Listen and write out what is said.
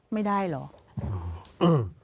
ไม่ได้เหรอ